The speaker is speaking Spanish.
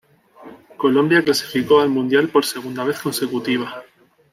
Colombia clasificó al Mundial por segunda vez consecutiva.